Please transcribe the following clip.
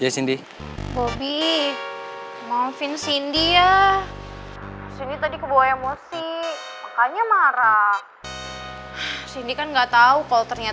sampai jumpa di video selanjutnya